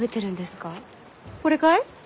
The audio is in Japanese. これかい？